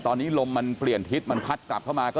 เหลือเพียงกลุ่มเจ้าหน้าที่ตอนนี้ได้ทำการแตกกลุ่มออกมาแล้วนะครับ